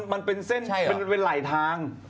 มันเป็นเส้นเป็นหลายทาง